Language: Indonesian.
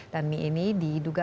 dan mie ini diduga